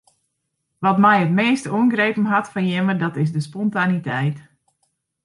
Wat my it meast oangrepen hat fan jimme dat is de spontaniteit.